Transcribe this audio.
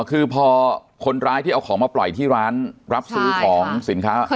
คือพอคนร้ายที่เอาของมาปล่อยที่ร้านรับซื้อของสินค้า